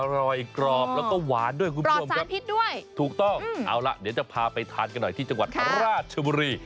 อร่อยกรอบแล้วก็หวานด้วยคุณผู้ชมครับพิษด้วยถูกต้องเอาล่ะเดี๋ยวจะพาไปทานกันหน่อยที่จังหวัดราชบุรี